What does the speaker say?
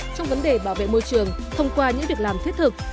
trong vấn đề bảo vệ môi trường thông qua những việc làm thiết thực